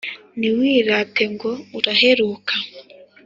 ntiwirate ngo uraheruka